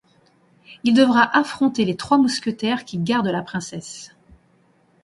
Il devra affronter les trois Mousquetaires qui gardent la princesse…